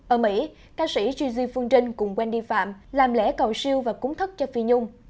ở mỹ ca sĩ gigi phương trinh cùng wendy phạm làm lễ cầu siêu và cúng thất cho phi nhung